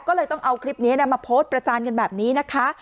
ก็เลยต้องเอาคลิปนี้มาโพสต์ประจานกันแบบนี้นะคะ